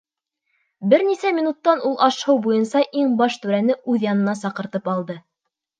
Бер нисә минуттан ул аш-һыу буйынса иң баш түрәне үҙ янына саҡыртып алды.